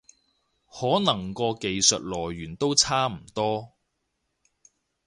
可能個技術來源都差唔多